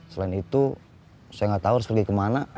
selain itu saya gak tau harus pergi kemana